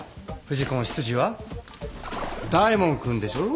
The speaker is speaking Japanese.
不二子の執事は大門君でしょ。